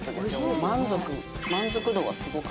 満足。